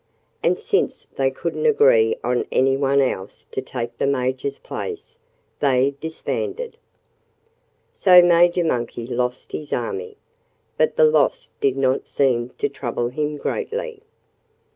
And since they couldn't agree on anyone else to take the Major's place, they disbanded. So Major Monkey lost his army. But the loss did not seem to trouble him greatly.